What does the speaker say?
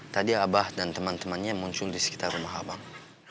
tadi abah dan teman temannya muncul di sekitar rumah abang